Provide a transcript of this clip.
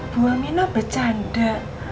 bu amina bercanda